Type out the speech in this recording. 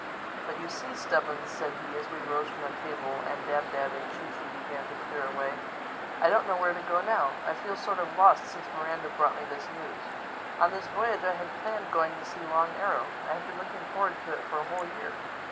"But you see, Stubbins," said he as we rose from the table and Dab Dab and Chee Chee began to clear away, "I don't know where to go now. I feel sort of lost since Miranda brought me this news. On this voyage I had planned going to see Long Arrow. I had been looking forward to it for a whole year.